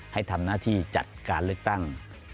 ให้ทำหน้าที่จัดการเลือกตั้ง